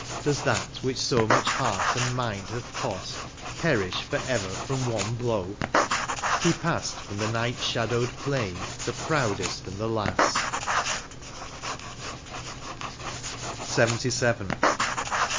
Does that which so much heart and mind hath cost Perish for ever from one blow. — He passed From the night shadowed plain, the proudest and the last 154 LXXVII.